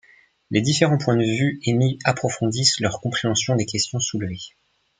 Les différents points de vue émis approfondissent leur compréhension des questions soulevées.